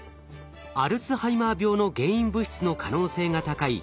アルツハイマー病の原因物質の可能性が高い